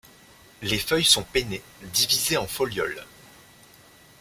Les feuilles sont pennées, divisées en folioles.